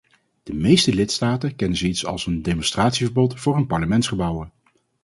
De meeste lidstaten kennen zoiets als een demonstratieverbod voor hun parlementsgebouwen.